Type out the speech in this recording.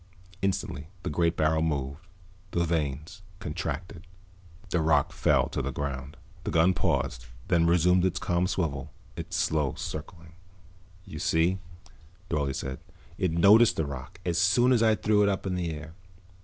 Instantly the great barrel moved, the vanes contracted. The rock fell to the ground. The gun paused, then resumed its calm swivel, its slow circling. "You see," Dorle said, "it noticed the rock, as soon as I threw it up in the air.